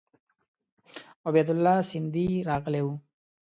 عبیدالله سیندهی راغلی وو.